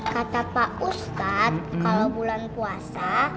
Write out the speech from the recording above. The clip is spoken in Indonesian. kata pak ustadz kalau bulan puasa